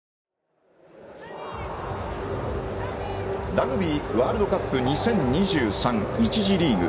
ラグビーワールドカップ２０２３、１次リーグ。